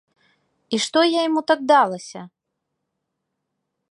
І што я яму так далася?